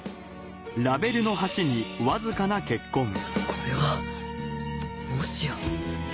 これはもしや